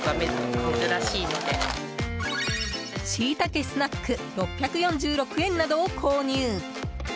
しいたけスナック６４６円などを購入。